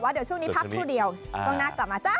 แต่ว่าเดี๋ยวช่วงนี้พักครู่เดียวต้องนักกลับมาจ้า